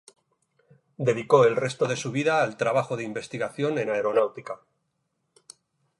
Dedicó el resto de su vida al trabajo de investigación en aeronáutica.